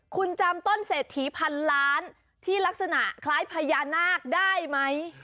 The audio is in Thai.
คุณจำต้นเศรษฐีพันล้านที่ลักษณะคล้ายพญานาคได้ไหม